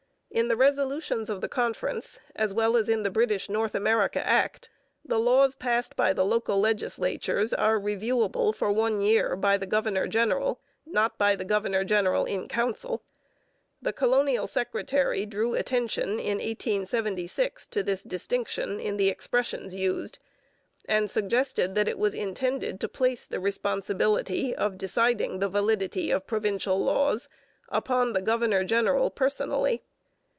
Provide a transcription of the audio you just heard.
In the resolutions of the conference, as well as in the British North America Act, the laws passed by the local legislatures are reviewable for one year by the governor general, not by the governor general in council. The colonial secretary drew attention in 1876 to this distinction in the expressions used, and suggested that it was intended to place the responsibility of deciding the validity of provincial laws upon the governor general personally.